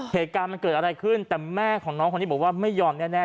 เหตุการณ์มันเกิดอะไรขึ้นแต่แม่ของน้องคนนี้บอกว่าไม่ยอมแน่